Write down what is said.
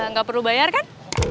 gak perlu bayar kan